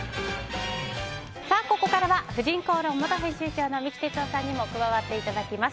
ここからは「婦人公論」元編集長の三木哲男さんにも加わっていただきます。